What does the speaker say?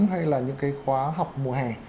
hay là những khóa học mùa hè